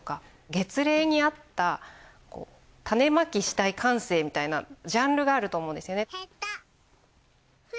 月齢に合った種まきしたい感性みたいなジャンルがあると思うんですよね。